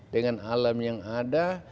dengan alam yang ada